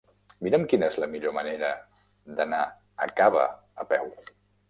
Mira'm quina és la millor manera d'anar a Cava a peu.